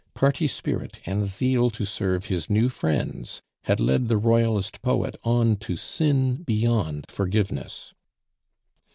Party spirit and zeal to serve his new friends had led the Royalist poet on to sin beyond forgiveness.